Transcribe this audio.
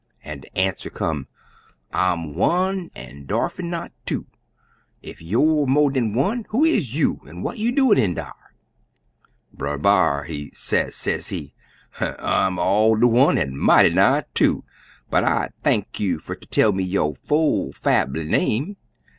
An' de answer come, 'I'm one an' darfo' not two; ef youer mo' dan one, who is you an' what you doin' in dar?' Brer B'ar, he say, sezee, 'I'm all er one an' mighty nigh two, but I'd thank you fer ter tell me yo' full fambly name.'